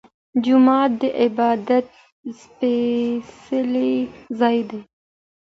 جومات د عبادت سپيڅلی ځای دی.